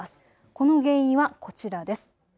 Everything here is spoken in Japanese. この原因はこちらです。